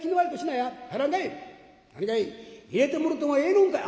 「何かい入れてもろてもええのんかい」。